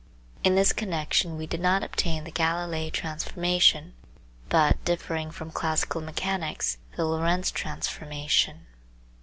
In this connection we did not obtain the Galilei transformation, but, differing from classical mechanics, the Lorentz transformation.